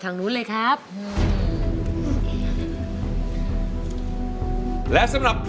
ร้องได้เห็นแม่มีสุขใจ